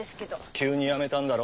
急に辞めたんだろ？